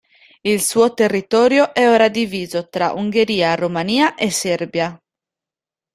Il suo territorio è ora diviso tra Ungheria, Romania e Serbia.